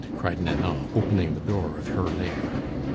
cried Nanon, opening the door of her lair.